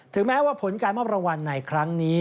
แม้ว่าผลการมอบรางวัลในครั้งนี้